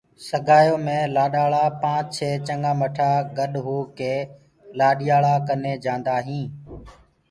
سگآيو مي لآڏآݪآ پآنچ چهي چگآ مٺآ گڏ هوڪي لآڏيآلآ ڪني جاندآ هينٚ